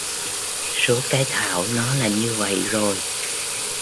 số cái thảo nó là như vậy rồi